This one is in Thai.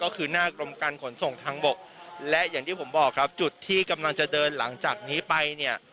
ก็คือหน้ากรมการขนส่งทางบกและอย่างที่ผมบอกครับจุดที่กำลังจะเดินหลังจากนี้ไปเนี่ย